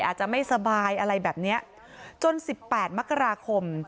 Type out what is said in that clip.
อาจจะไม่สบายอะไรแบบเนี้ยจนสิบแปดมกราคม